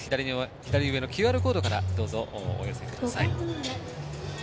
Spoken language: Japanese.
左上のＱＲコードからお寄せください。